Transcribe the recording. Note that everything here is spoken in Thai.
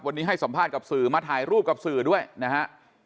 วันนี้ให้สัมภาษณ์กับสื่อมาถ่ายรูปกับสื่อด้วยนะฮะ